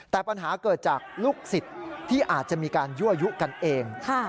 แต่ปัญหาเกิดจากลูกศิษย์ที่อาจจะมีการยั่วยุกันเอง